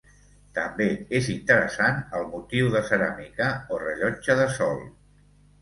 També és interessant el motiu de ceràmica o rellotge de sol.